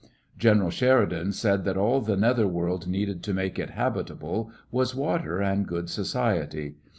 Greneral Sheridan said that all the nether world needed to make it habitable was water and good society.